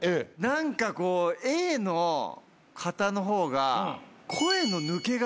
何かこうＡの方の方が。